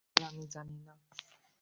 Sir, আমি জানি না।